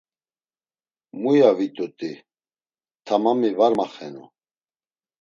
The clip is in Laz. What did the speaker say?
Muya vit̆ut̆i tamami var maxenu.